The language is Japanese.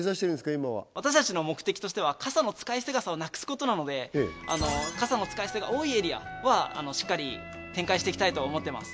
今は私たちの目的としては傘の使い捨て傘をなくすことなので傘の使い捨てが多いエリアはしっかり展開していきたいと思ってます